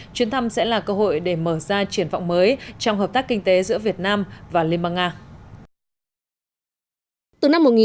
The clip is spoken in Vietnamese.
chuyến thăm sẽ là cơ hội để mở ra triển vọng mới trong hợp tác kinh tế giữa việt nam và liên bang nga